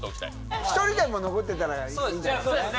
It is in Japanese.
１人でも残ってたらいいんだそうですね。